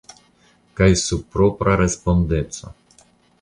Kaj sub propra respondeco.